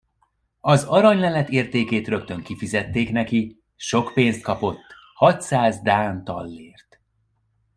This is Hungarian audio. Az aranylelet értékét rögtön kifizették neki, sok pénzt kapott, hatszáz dán tallért.